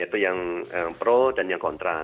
yaitu yang pro dan yang kontra